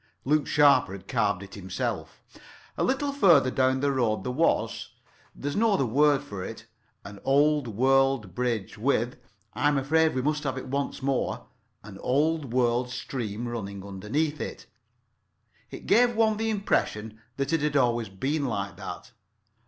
Luke Sharper had carved it himself. A little further down the road there was—there's no other word for it—an old world bridge with—I'm afraid we must have it once more—an old world stream running underneath it. It gave one the impression that it had always been like that.